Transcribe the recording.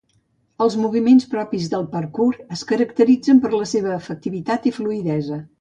Els moviments propis del parkour es caracteritzen per la seva efectivitat i fluïdesa.